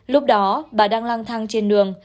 lúc đó bà đang lang thang trên đường